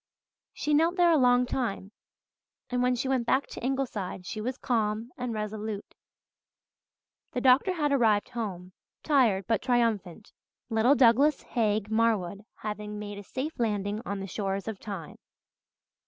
She knelt there a long time, and when she went back to Ingleside she was calm and resolute. The doctor had arrived home, tired but triumphant, little Douglas Haig Marwood having made a safe landing on the shores of time.